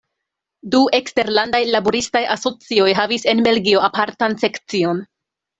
Du eksterlandaj laboristaj asocioj havis en Belgio apartan sekcion.